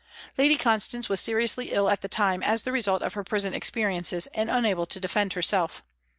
" Lady Constance was seriously ill at the time as the result of her prison experiences, and unable to defend herself.